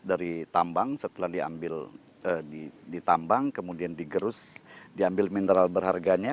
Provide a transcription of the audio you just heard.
dari tambang setelah diambil ditambang kemudian digerus diambil mineral berharganya